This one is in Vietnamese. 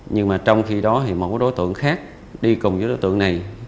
nhưng mà trong khi đó mỗi đối tượng khác đi cùng với đối tượng này